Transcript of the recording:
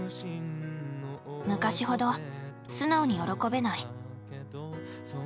昔ほど素直に喜べない。